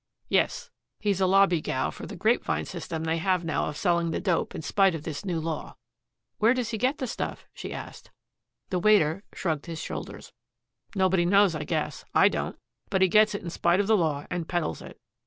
"Yes. He's a lobbygow for the grapevine system they have now of selling the dope in spite of this new law." "Where does he get the stuff!" she asked. The waiter shrugged his shoulders. "Nobody knows, I guess. I don't. But he gets it in spite of the law and peddles it.